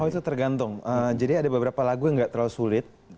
oh itu tergantung jadi ada beberapa lagu yang gak terlalu sulit